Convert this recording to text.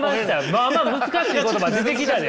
まあまあ難しい言葉出てきたで。